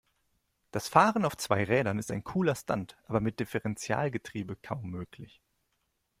Das Fahren auf zwei Rädern ist ein cooler Stunt, aber mit Differentialgetriebe kaum möglich.